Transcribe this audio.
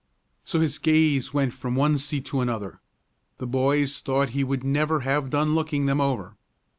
So his gaze went from one seat to another. The boys thought he would never have done looking them over.